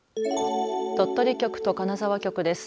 鳥取局と金沢局です。